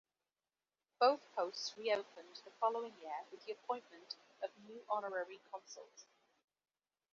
Both posts reopened the following year with the appointment of new honorary consuls.